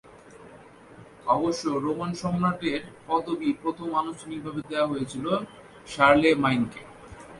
অবশ্য রোমান সম্রাটের পদবী প্রথম আনুষ্ঠানিকভাবে দেয়া হয়েছিল শার্লেমাইনকে।